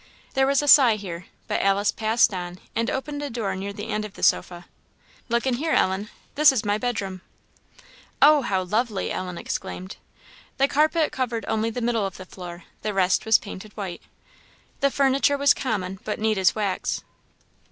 There was a sigh here; but Alice passed on, and opened a door near the end of the sofa. "Look in here, Ellen; this is my bedroom." "Oh, how lovely!" Ellen exclaimed. The carpet covered only the middle of the floor; the rest was painted white. The furniture was common but neat as wax.